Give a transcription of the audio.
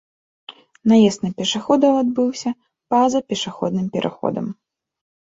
Наезд на пешаходаў адбыўся па-за пешаходным пераходам.